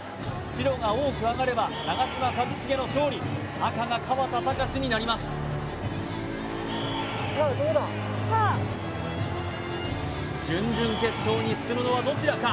白が多くあがれば長嶋一茂の勝利赤が河田隆になりますさあ準々決勝に進むのはどちらか？